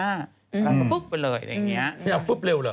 ตัวนี้กับพี่อ้ำจะเล่นปีละเรื่อง